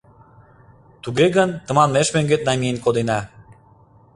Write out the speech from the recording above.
Туге гын, тыманмеш мӧҥгет намиен кодена.